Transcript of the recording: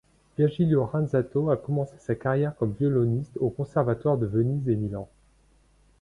Virgilio Ranzato a commencé sa carrière comme violoniste aux conservatoires de Venise et Milan.